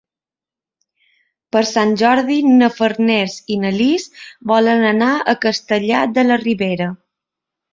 Per Sant Jordi na Farners i na Lis volen anar a Castellar de la Ribera.